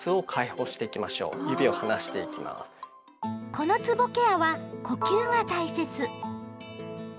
このつぼケアは呼吸が大切。